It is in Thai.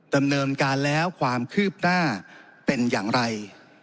ดำเนินการแล้วความคืบหน้าเป็นอย่างไร